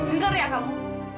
dengar ya kamu